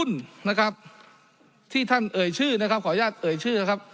นะครับที่ท่านเอ่ยชื่อนะครับขออนุญาตเอ่ยชื่อนะครับ